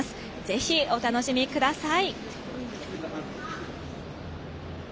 ぜひ、お楽しみください。